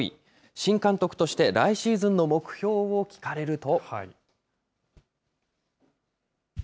新監督として、来シーズンの目標を聞かれると。